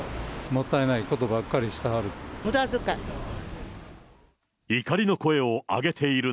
もったいないことばっかりしてはる。